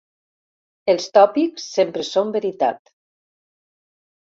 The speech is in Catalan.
Els tòpics sempre són veritat.